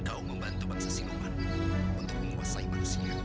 dan ada perlu apa